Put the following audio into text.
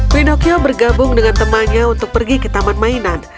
pinocchel bergabung dengan temannya untuk pergi ke taman mainan